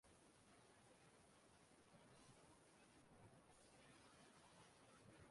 nke dị n'Ụmụonyeukpa